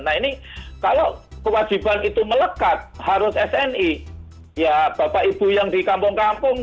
nah ini kalau kewajiban itu melekat harus sni ya bapak ibu yang di kampung kampung